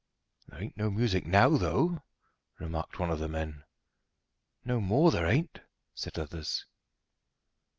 "There ain't no music now, though," remarked one of the men. "Nor more there ain't," said others.